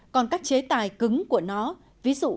còn các chế tài cứng của nó ví dụ